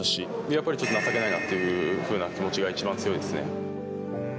やっぱりちょっと情けないなっていうふうな気持ちが一番強いですね。